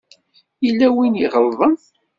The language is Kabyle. Yella win i iɣelḍen.